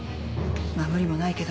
まっ無理もないけど。